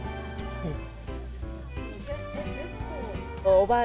おばあ